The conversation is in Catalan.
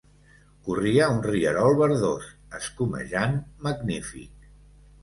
Corria un rierol verdós, escumejant, magnífic